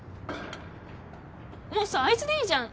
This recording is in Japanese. もうさアイツでいいじゃん。